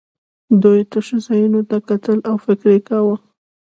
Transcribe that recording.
دوی تشو ځایونو ته کتل او فکر یې کاوه